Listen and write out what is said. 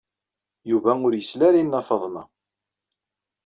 Yuba ur yesli ara i Nna Faḍma.